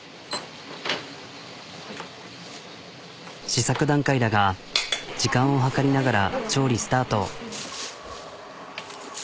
試作段階だが時間を測りながら調理スタート。